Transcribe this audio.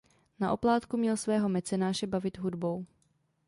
Na oplátku měl svého mecenáše bavit hudbou.